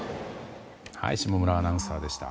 下村アナウンサーでした。